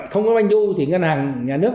không có doanh du thì ngân hàng nhà nước